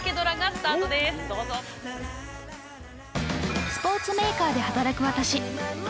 ◆スポーツメーカーで働く私。